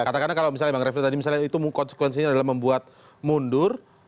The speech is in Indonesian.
katakanlah kalau misalnya bang refli tadi misalnya itu konsekuensinya adalah membuat mundur